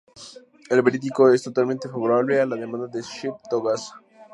El veredicto es totalmente favorable a la demanda de Ship to Gaza.